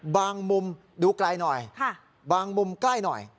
มุมดูไกลหน่อยบางมุมใกล้หน่อย